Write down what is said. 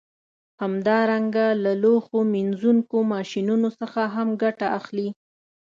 همدارنګه له لوښو مینځونکو ماشینونو څخه هم ګټه اخلي